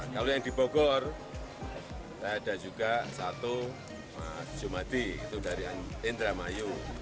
kalau yang di bogor ada juga satu jumadi itu dari indra mayu